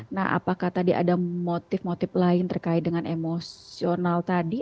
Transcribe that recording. nah apakah tadi ada motif motif lain terkait dengan emosional tadi